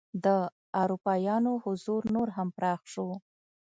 د اروپایانو حضور نور هم پراخ شو.